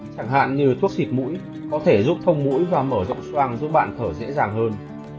chẳng hạn như thuốc xịt mũi có thể dùng thông mũi và mở rộng xoang giúp bạn thở dễ dàng hơn